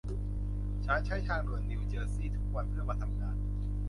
ฉันใช้ทางด่วนนิวเจอร์ซี่ทุกวันเพื่อมาทำงาน